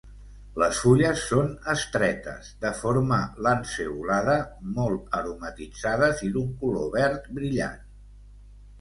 Les fulles són estretes, de forma lanceolada, molt aromatitzades i d'un color verd brillant.